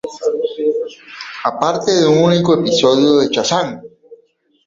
Aparte de un único episodio de "Shazam!